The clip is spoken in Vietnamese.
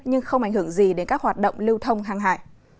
nhưng không ảnh hưởng gì đến các hoạt động lưu thông hàng hải